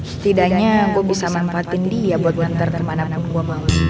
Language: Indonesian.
setidaknya gue bisa manfaatin dia buat ngantar kemana mana gue mau